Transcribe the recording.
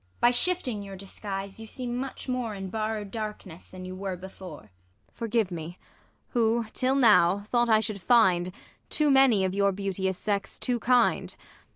ISAB. By shifting your disguise, you seem much more In borrow 'd darkness than you were before. Ang. Forgive me, who, till now, thought I should find Too many of your beauteous sex too kind.